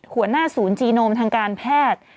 หัวหน้าศูนย์จีโนมทางการแพทย์